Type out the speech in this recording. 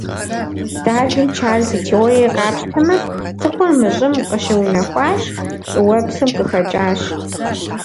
Дарвин Чарльз и теориер къапщтэмэ, цӏыхур мы Щӏым къыщыунэхуащ, щӏыуэпсым къыхэкӏащ.